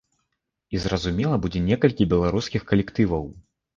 І, зразумела, будзе некалькі беларускіх калектываў.